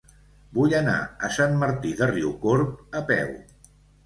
Vull anar a Sant Martí de Riucorb a peu.